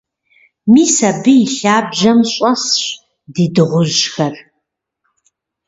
Мис абы и лъабжьэм щӀэсщ ди дыгъужьхэр.